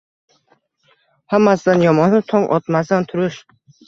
Hammasidan yomoni — tong otmasdan turish.